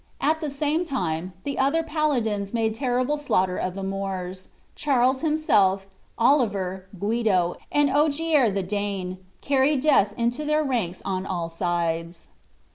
At the same time, the other paladins made terrible slaughter of the Moors. Charles himself, Oliver, Guido, and Ogier the Dane, carried death into their ranks on all sides.